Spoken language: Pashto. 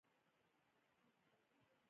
مونږ ويل چې دلته به اوبۀ وڅښو ـ